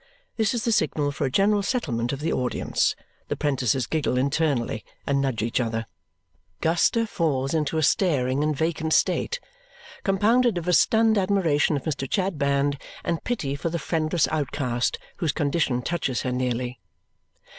This is the signal for a general settlement of the audience. The 'prentices giggle internally and nudge each other. Guster falls into a staring and vacant state, compounded of a stunned admiration of Mr. Chadband and pity for the friendless outcast whose condition touches her nearly.